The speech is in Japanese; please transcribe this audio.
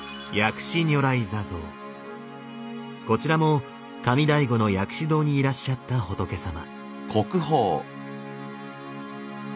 こちらも上醍醐の薬師堂にいらっしゃった仏様。